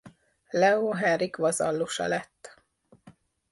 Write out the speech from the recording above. Leó Henrik vazallusa lett.